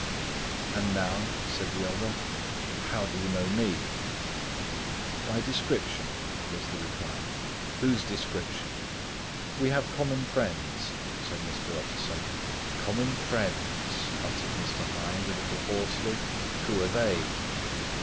"And now," said the other, "how did you know me?" "By description," was the reply. "Whose description?" "We have common friends," said Mr. Utterson. "Common friends," echoed Mr. Hyde, a little hoarsely. "Who are they?"